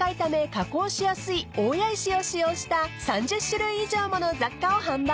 加工しやすい大谷石を使用した３０種類以上もの雑貨を販売］